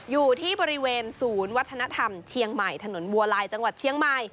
อยู่ที่บริเวณศูนย์วัฒนธรรมเชียงใหม่ถนนบัวลายจังหวัดเชียงใหม่